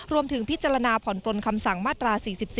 รวมถึงพิจารณาผ่อนปลนคำสั่งมาตรา๔๔